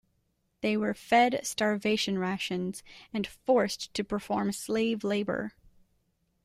They were fed starvation rations and forced to perform slave labor.